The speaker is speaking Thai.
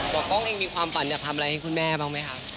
ป้องเองมีความฝันอยากทำอะไรให้คุณแม่บ้างไหมคะ